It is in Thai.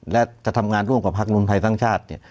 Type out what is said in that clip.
และจะทำงานร่วมกับพักรวมไทยสร้างชาติเนี่ย